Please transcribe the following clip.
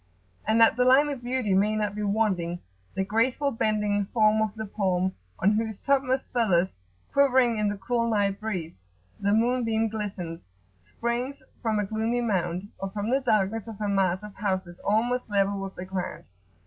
And that the Line of Beauty may not be wanting, the graceful bending form of the palm, on whose topmost feathers, quivering in the cool night breeze, the moonbeam glistens, springs from a gloomy mound, or from the darkness of a mass of houses almost level with the ground.